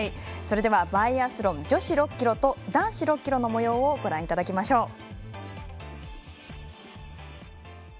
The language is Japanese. それでは、バイアスロン女子６ｋｍと男子６ｋｍのもようご覧いただきましょう。